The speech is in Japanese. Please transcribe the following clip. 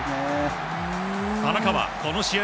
田中はこの試合